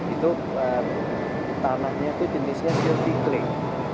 itu tanahnya itu jenisnya jadi kling